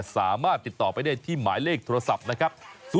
สามารถติดต่อไปได้ที่หมายเลขโทรศัพท์นะครับ